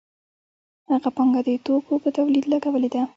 هغه پانګه د توکو په تولید لګولې ده